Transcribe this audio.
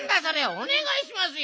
おねがいしますよ。